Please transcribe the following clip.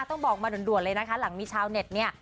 ต้องบอกมาด่วนเลยนะคะหลังมีชาวเน็ตเนี่ย